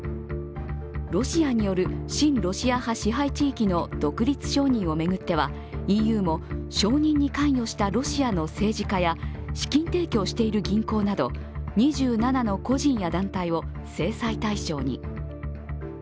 ロシアによる親ロシア派支配地域の独立承認を巡ってはＥＵも承認に関与したロシアの政治家や資金提供している銀行など２７の個人や団体を制裁対象に。